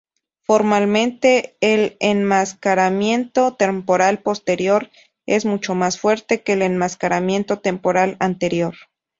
Formalmente, el enmascaramiento temporal posterior es mucho más fuerte que el enmascaramiento temporal anterior.